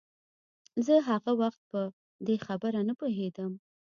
زه هغه وخت په دې خبره نه پوهېدم.